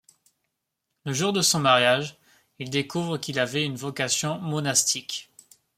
Le jour de son mariage, il découvre qu'il avait une vocation monastique.